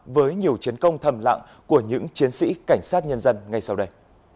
với nhiều chiến công thầm lặng của những chiến sĩ cảnh sát nhân dân ngay sau đây